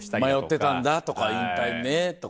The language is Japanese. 「迷ってたんだ」とか「引退ね」とか。